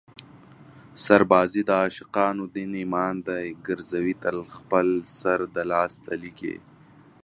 سربازي د عاشقانو دین ایمان دی ګرزوي تل خپل سر د لاس تلي کې